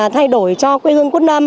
thay đổi cho quê hương quất lâm